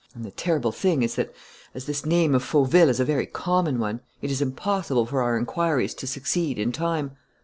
And the terrible thing is that, as this name of Fauville is a very common one, it is impossible for our inquiries to succeed in time."